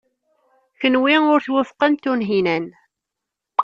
Kenwi ur twufqem Tunhinan.